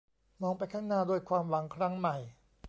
มองไปข้างหน้าด้วยความหวังครั้งใหม่